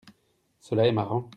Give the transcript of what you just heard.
Cela est marrant.